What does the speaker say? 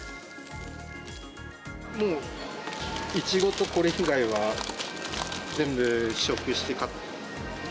もう、イチゴとこれ以外は、全部、試食して買った。